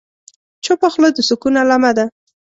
چپه خوله، د سکون علامه ده.